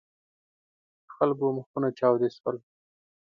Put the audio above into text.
د خلکو مخونه چاودې شول.